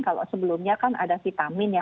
kalau sebelumnya kan ada vitamin ya